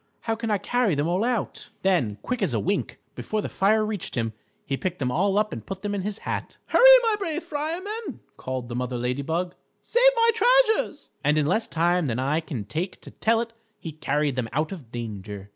How can I carry them all out?" Then, quick as a wink, before the fire reached him, he picked them all up and put them in his hat. "Hurry, my brave fireman!" called the Mother Lady Bug; "save my treasures." And in less time than I can take to tell it, he carried them out of danger.